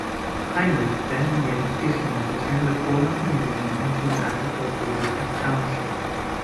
Hienrich then began petitioning to turn the Colma community into an agricultural township.